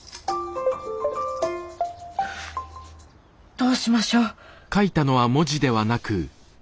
どうしましょう。